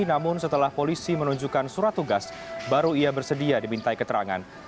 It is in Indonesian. namun setelah polisi menunjukkan surat tugas baru ia bersedia dimintai keterangan